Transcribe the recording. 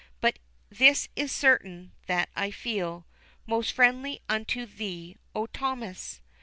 But this is certain that I feel Most friendly unto thee, oh Thomas!